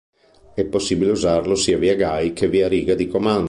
È possibile usarlo sia via gui che via riga di comando.